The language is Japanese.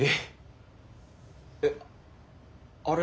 ええっあれ。